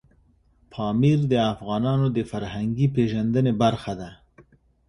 پامیر د افغانانو د فرهنګي پیژندنې برخه ده.